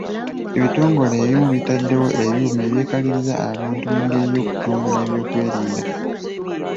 Ebitongole ebimu bitaddewo ebyuma ebyekaliriza abantu mg'engeri y'okutumbula ebyokwerinda.